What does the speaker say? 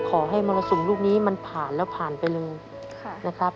มรสุมลูกนี้มันผ่านแล้วผ่านไปเลยนะครับ